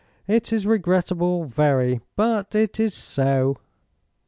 It is regrettable, very; but it is so."